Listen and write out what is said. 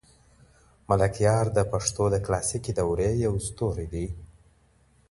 ملکیار د پښتو د کلاسیکې دورې یو ستوری دی.